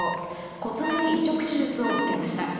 骨髄移植手術を受けました。